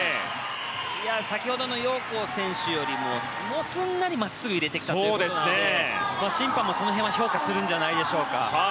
先ほどのヨウ・コウ選手よりもすんなり真っすぐ入れてきたので審判もその辺評価するんじゃないでしょうか。